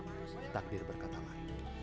namun takdir berkatalah